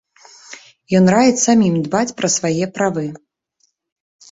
Ён раіць самім дбаць пра свае правы.